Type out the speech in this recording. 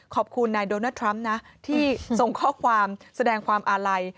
ขอบคุณนายโดนัลดทรัมป์นะที่ส่งข้อความแสดงความอาลัย